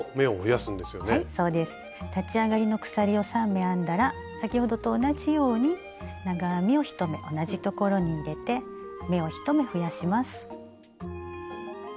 立ち上がりの鎖を３目編んだら先ほどと同じように長編みを１目同じところに入れて目を１目増やします。